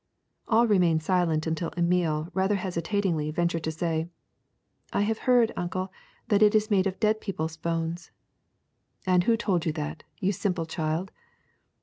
All remained silent until Emile rather hesitatingly ventured to say: ^*I have heard, Uncle, that it is made of dead people's bones." And who told you that, you simple child?"